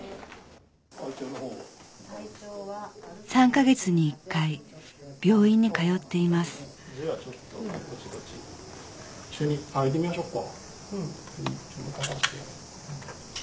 ３か月に１回病院に通っていますではちょっとぼちぼち一緒に歩いてみましょうか。